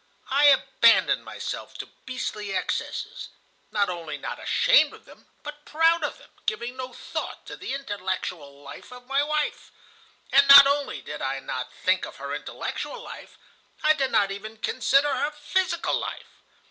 I abandoned myself to beastly excesses, not only not ashamed of them, but proud of them, giving no thought to the intellectual life of my wife. And not only did I not think of her intellectual life, I did not even consider her physical life.